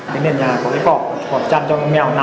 cái nền nhà có cái cỏ chăn cho mèo nằm